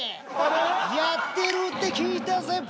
やってるって聞いたぜ！